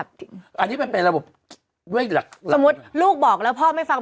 สมมุติลูกบอกแล้วพอไม่ฟัง